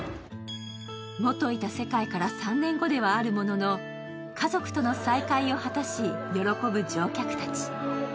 元いた世界から３年後ではあるものの家族との再会を果たし喜ぶ乗客たち。